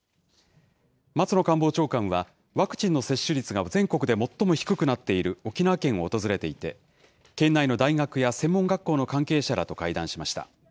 松野官房長官は、ワクチンの接種率が全国で最も低くなっている沖縄県を訪れていて、県内の大学や専門学校の関係者らと会談しました。